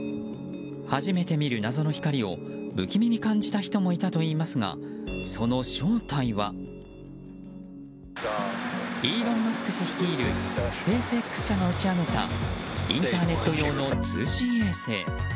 初めて見る謎の光を不気味に感じた人もいたといいますがその正体はイーロン・マスク氏率いるスペースＸ社が打ち上げたインターネット用の通信衛星。